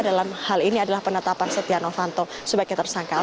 dalam hal ini adalah penetapan setia novanto sebagai tersangka